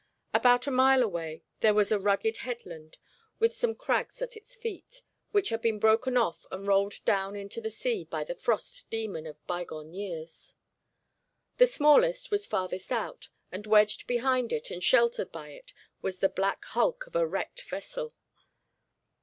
About a mile away there was a rugged headland, with some crags at its feet, which had been broken off and rolled down into the sea by the Frost Demon of bygone years. The smallest was farthest out, and wedged behind it and sheltered by it was the black hulk of a wrecked vessel.